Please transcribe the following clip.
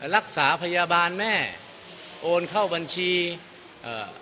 รักษาพยาบาลแม่โอนเข้าบัญชีเอ่อ